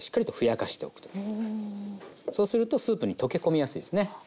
そうするとスープに溶け込みやすいですね。